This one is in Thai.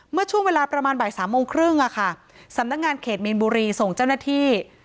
เมื่อช่วงเวลาประมาณบ่ายสามโมงครึ่งสำนักงานเขตมีนบุรีส่งเจ้าหน้าที่